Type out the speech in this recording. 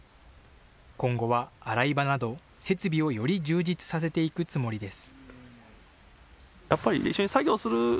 今後は洗い場など、設備をより充実させていくつもりです。